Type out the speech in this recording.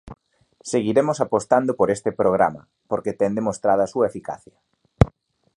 Seguiremos apostando por este programa, porque ten demostrado a súa eficacia.